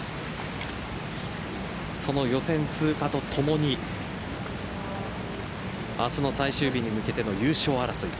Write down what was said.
その予選通過とともに明日の最終日に向けての優勝争い